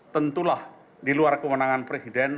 tentulah di luar kewenangan presiden